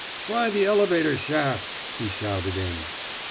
'* Try the elevator shaft, '* he shouted in.